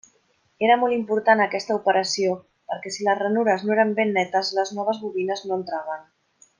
Era molt important aquesta operació perquè si les ranures no eren ben netes, les noves bobines no entraven.